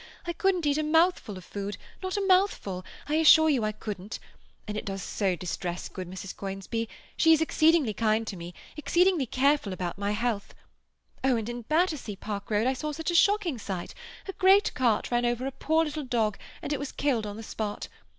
I couldn't eat a mouthful of food—not a mouthful—I assure you I couldn't. And it does so distress good Mrs. Conisbee. She is exceedingly kind to me—exceedingly careful about my health. Oh, and in Battersea Park Road I saw such a shocking sight; a great cart ran over a poor little dog, and it was killed on the spot.